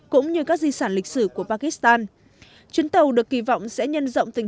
cũng như các di sản lịch sử của pakistan chuyến tàu được kỳ vọng sẽ nhân rộng tình